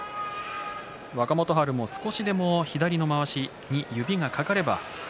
若元春も少しでも左のまわしに指が掛かれば。